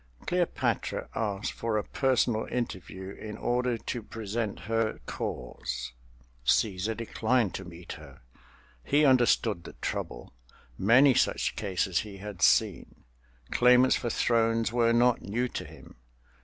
Cleopatra asked for a personal interview, in order to present her cause. Cæsar declined to meet her—he understood the trouble—many such cases he had seen. Claimants for thrones were not new to him.